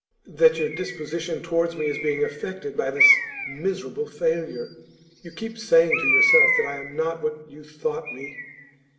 'That your disposition towards me is being affected by this miserable failure. You keep saying to yourself that I am not what you thought me.